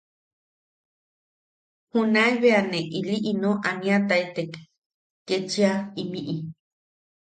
Junae be ne ili ino aniataitek kechia imiʼi.